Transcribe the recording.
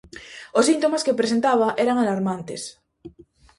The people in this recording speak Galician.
Os síntomas que presentaba eran alarmantes.